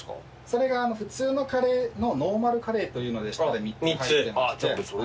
それが普通のカレーのノーマルカレーというのでしたら３つ入ってまして。